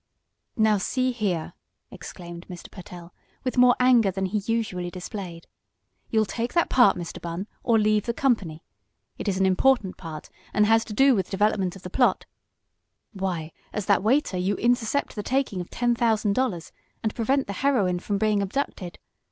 "Now see here!" exclaimed Mr. Pertell, with more anger than he usually displayed. "You'll take that part, Mr. Bunn, or leave the company! It is an important part, and has to do with the development of the plot. Why, as that waiter you intercept the taking of ten thousand dollars, and prevent the heroine from being abducted.